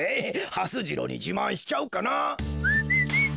はす次郎にじまんしちゃおうかな。